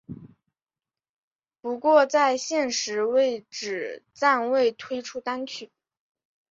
不过在现时为止暂未推出单曲。